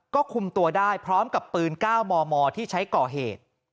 ก็คุมตัวได้พร้อมกับปืน๙มมที่ใช้ก่อเหตุ